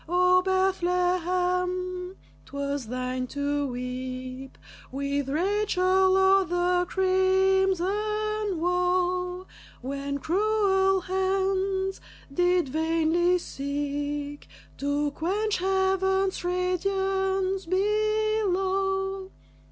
O Bethlehem, 'twas thine to weep With Rachel o'er the crimson woe When cruel hands did vainly seek To quench heaven's radiance below!